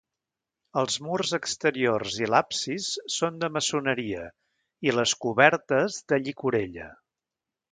Els murs exteriors i l'absis són de maçoneria i les cobertes de llicorella.